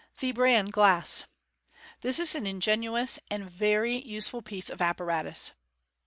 The Bran Glass. — This is an ingenious and very useful piece of apparatus.